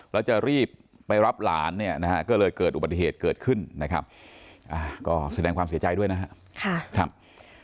แล้วจะรีบไปรับหลานเนี่ยนะฮะก็เลยเกิดอุบัติเหตุเกิดขึ้นนะครับก็แสดงความเสียใจด้วยนะครับ